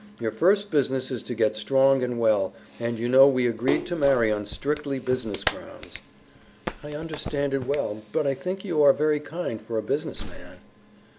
Your first business is to get strong and well, and you know we agreed to marry on strictly business grounds." "I understand it well, but I think you are very kind for a business man."